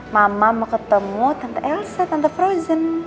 mama mau ketemu tante elsa tante frozen